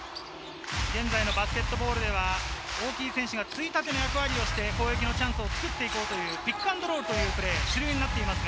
現在のバスケットボールでは大きい選手がついたての役割をして、攻撃のチャンスを使って行こうというピックアンドロールというプレーが主流になっています。